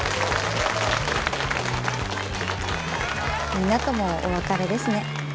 みんなともお別れですね。